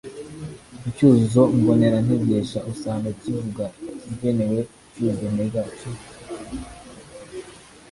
icyuzuzo mbonera ntegesha usanga kivuga ikigenewe icyuzuzo ntega, icyo